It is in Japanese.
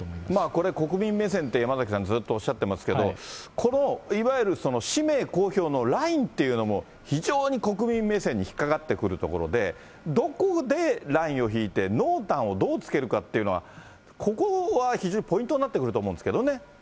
これ、国民目線って山崎さん、ずっとおっしゃってますけど、このいわゆる氏名公表のラインというのも、非常に国民目線に引っ掛かってくるところで、どこでラインを引いて、濃淡をどうつけるかというのは、ここは非常にポイントになってくると思うんですけどね。